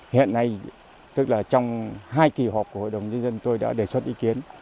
hiện nay tức là trong hai kỳ họp của hội đồng nhân dân tôi đã đề xuất ý kiến